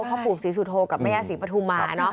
พระผู้ศรีสุโธกับพระแม่ศรีปทุมา